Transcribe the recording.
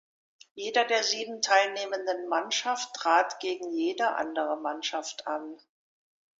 Jede der sieben teilnehmenden Mannschaft trat gegen jede andere Mannschaft an.